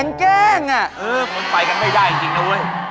เอออะไรแบบนั้น